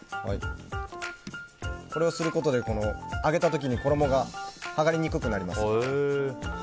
これをすることで揚げた時に衣が剥がれにくくなります。